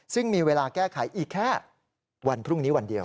ซึ่งมีเวลาแก้ไขอีกแค่วันพรุ่งนี้วันเดียว